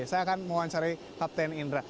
saya akan mewawancari kapten indra